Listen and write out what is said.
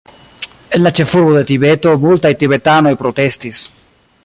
En la ĉefurbo de Tibeto, multaj tibetanoj protestis.